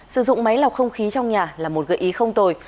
sử dụng máy lọc không khí trong nhà là một gợi ý không tồi